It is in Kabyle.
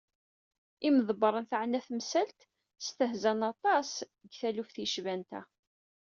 Imḍebbren teεna tamsalt stehzan aṭas deg taluft yecban ta.